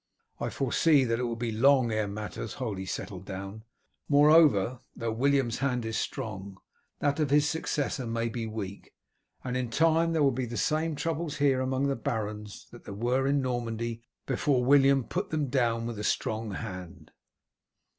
I foresee that it will be long ere matters wholly settle down. Moreover, though William's hand is strong that of his successor may be weak, and in time there will be the same troubles here among the barons that there were in Normandy before William put them down with a strong hand.